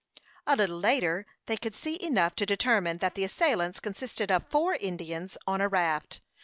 A little later they could see enough to determine that the assailants consisted of four Indians, on a raft.